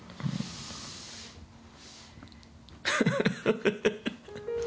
フフフフフ。